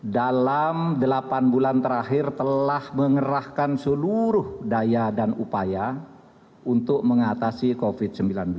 dalam delapan bulan terakhir telah mengerahkan seluruh daya dan upaya untuk mengatasi covid sembilan belas